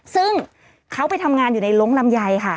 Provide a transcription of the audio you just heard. ซึ่งเขาไปทำงานอยู่ในลงลำไยค่ะ